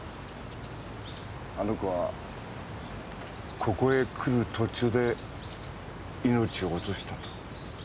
あの子はここへ来る途中で命を落としたと。